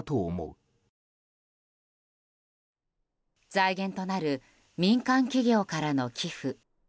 財源となる民間企業委からの寄付。